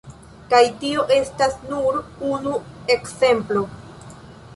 Kaj tio estas nur unu ekzemplo.